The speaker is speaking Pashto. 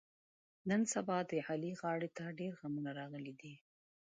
نن سبا د علي غاړې ته ډېرغمونه راغلي دي.